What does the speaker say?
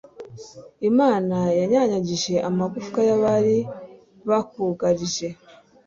imana yanyanyagije amagufwa y'abari bakugarije